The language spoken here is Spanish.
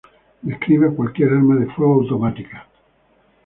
Describe a cualquier arma de fuego automática.